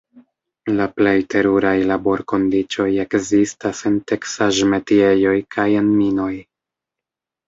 La plej teruraj laborkondiĉoj ekzistas en teksaĵ-metiejoj kaj en minoj.